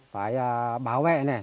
phải bảo vệ